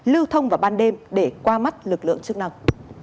lưu thông vào ban đêm để qua mắt lực lượng chức năng